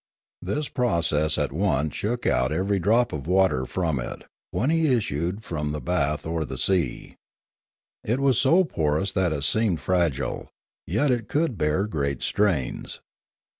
This process at once shook out every drop of water from it, when he issued from the A Catastrophe 153 bath or the sea. It was so porous that it seemed fragile, and yet it could bear great strains.